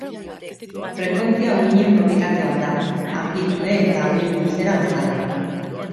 Frekuentzia uhinen propietate bat da anplitude eta uhin luzera bezala.